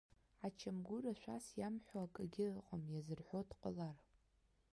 Ачамгәыр ашәас иамҳәо акагьы ыҟам, иазырҳәо дҟалар.